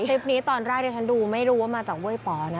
คลิปนี้ตอนแรกที่ฉันดูไม่รู้ว่ามาจากเว้ยป๋อนะ